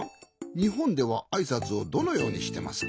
にほんではあいさつをどのようにしてますか？